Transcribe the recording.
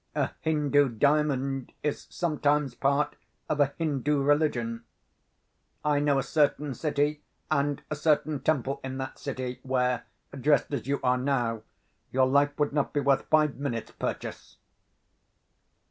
A Hindoo diamond is sometimes part of a Hindoo religion. I know a certain city, and a certain temple in that city, where, dressed as you are now, your life would not be worth five minutes' purchase."